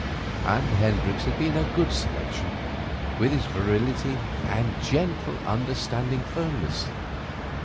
And Hendricks had been a good selection, with his virility and gentle, understanding firmness.